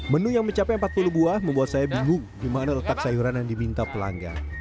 menu yang mencapai empat puluh buah membuat saya bingung di mana letak sayuran yang diminta pelanggan